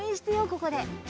ここで。